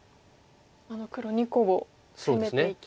あの黒２個を攻めていきたい。